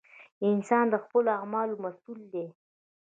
انسان د خپلو اعمالو مسؤول دی!